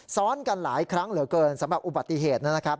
ซ้อนกันหลายครั้งเหลือเกินสำหรับอุบัติเหตุนะครับ